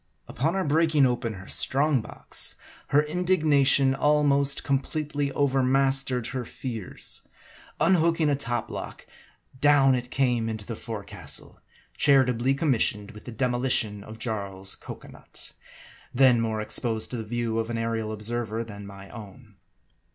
Upon our breaking open her strong box, her indignation almost completely overmastered her fears. Unhooking a top block, down it came into the forecastle, charitably com missioned with the demolition of Jarl's cocoa nut, then more exposed to the view of an aerial observer than my own.